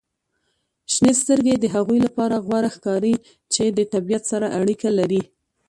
• شنې سترګې د هغوی لپاره غوره ښکاري چې د طبیعت سره اړیکه لري.